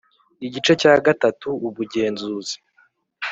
Igice cya gatatu ubugenzuzi